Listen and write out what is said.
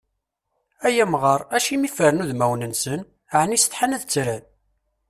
Ay amɣar, acimi fren udmawen-nsen? Ɛni setḥan ad ttren?